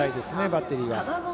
バッテリーは。